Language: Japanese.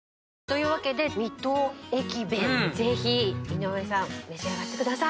というわけで水戸駅弁ぜひ井上さん召し上がってください。